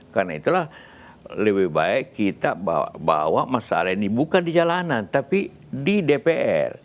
karena itulah lebih baik kita bawa masalah ini bukan di jalanan tapi di dpr